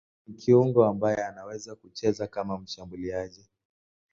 Ni kiungo ambaye anaweza kucheza kama mshambuliaji.